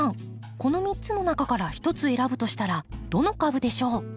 この３つの中から１つ選ぶとしたらどの株でしょう？